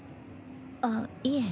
あっいえ